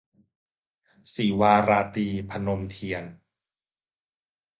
ศิวาราตรี - พนมเทียน